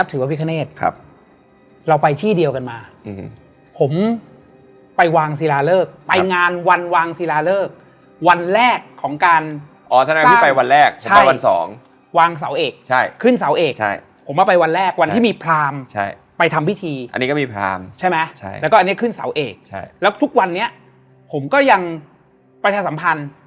คือคือตอนที่เขาอยู่กับข้างบนไงประดาษอยู่ดีอะเรานอนอยู่ข้างหล่าง